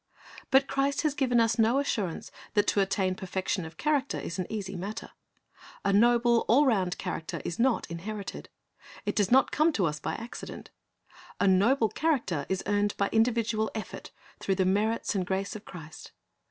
"^ But Christ has given us no assurance that to attain perfection of character is an easy matter. A noble, all round character is not inherited. It does not come tc us by accident. A noble character is earned by individual effort through the merits and grace of Christ.